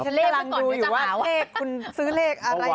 กำลังดูอยู่ว่าเลขคุณซื้อเลขอะไร